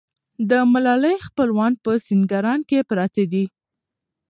د ملالۍ خپلوان په سینګران کې پراته دي.